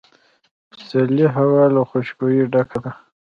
د پسرلي هوا له خوشبویۍ ډکه ده.